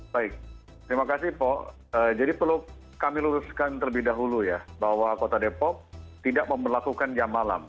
baik terima kasih pak jadi perlu kami luruskan terlebih dahulu ya bahwa kota depok tidak memperlakukan jam malam